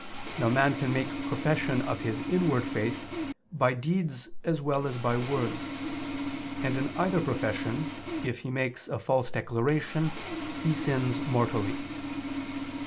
Now man can make profession of his inward faith, by deeds as well as by words: and in either profession, if he make a false declaration, he sins mortally.